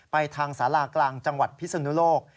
ไปทางสารากลางจังหวัดพิสุนุโลก